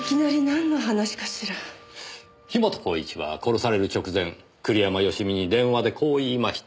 樋本晃一は殺される直前栗山佳美に電話でこう言いました。